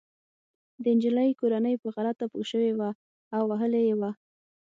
د انجلۍ کورنۍ په غلطه پوه شوې وه او وهلې يې وه